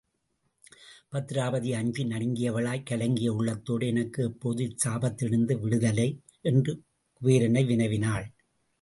பத்திராபதி அஞ்சி நடுநடுங்கியவளாய்க் கலங்கிய உள்ளத்தோடு எனக்கு எப்போது இச் சாபத்திலிருந்து விடுதலை? என்று குபேரனை வினவினாள்.